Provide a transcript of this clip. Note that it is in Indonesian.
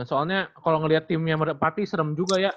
soalnya kalo ngeliat tim yang berdepati serem juga ya